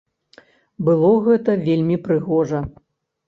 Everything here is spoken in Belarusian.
Было гэта вельмі прыгожа.